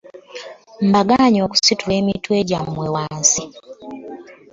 Mbagaanyi okusitula emitwe gyammwe wansi.